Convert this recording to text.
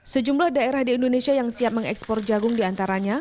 sejumlah daerah di indonesia yang siap mengekspor jagung diantaranya